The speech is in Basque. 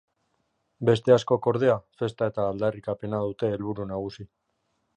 Beste askok, ordea, festa eta aldarrikapena dute helburu nagusi.